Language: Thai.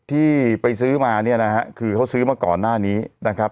ที่ไปซื้อมาเนี่ยนะฮะคือเขาซื้อมาก่อนหน้านี้นะครับ